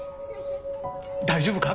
大丈夫か？